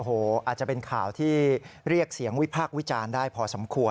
โอ้โหอาจจะเป็นข่าวที่เรียกเสียงวิพากษ์วิจารณ์ได้พอสมควร